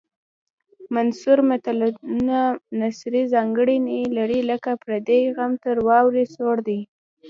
منثور متلونه نثري ځانګړنې لري لکه پردی غم تر واورو سوړ دی